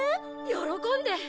喜んで！